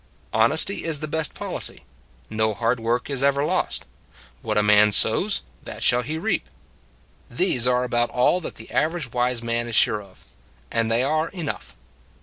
Honesty is the best policy; no hard work is ever lost; what a man sows, that shall he reap these are about all that the aver age wise man is sure of. And they are enough.